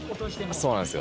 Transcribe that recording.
そうなんですよ。